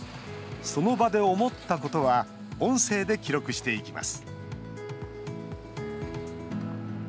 その場で思ったことは音声で記録していきます。